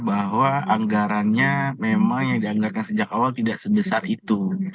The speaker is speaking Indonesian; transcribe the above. bahwa anggarannya memang yang dianggarkan sejak awal tidak sebesar itu